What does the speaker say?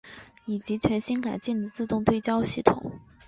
以及全新改进的自动对焦系统。